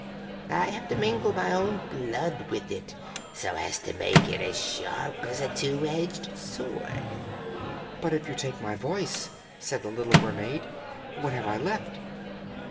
I have to mingle my own blood with it so as to make it as sharp as a two edged sword.' 'But if you take my voice,' said the little mermaid, 'what have I left?'